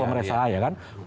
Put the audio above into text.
kongres saja kan